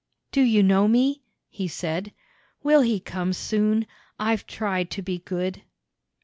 "Do you know me?" he said. "Will He come soon? I've tried to be good."